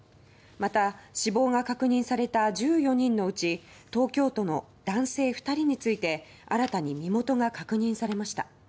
また、死亡が確認された１４人のうち東京都の男性２人について新たに身元が確認されました。